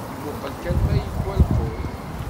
Muqqel kan ma yewwa lqut?